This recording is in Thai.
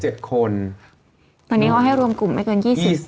ตอนนี้เขาให้รวมกลุ่มไม่เกิน๒๐